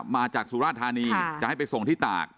มาจากสุราชธานีค่ะจะให้ไปส่งที่ตากใช่ค่ะ